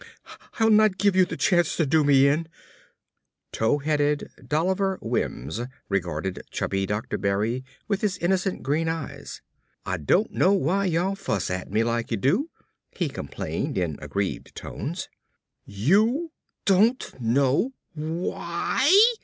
I'll not give you the chance to do me in!" Tow headed Dolliver Wims regarded chubby Dr. Berry with his innocent green eyes. "Ah don't know why y'all fuss at me like you do," he complained in aggrieved tones. "YOU DON'T KNOW WHY!"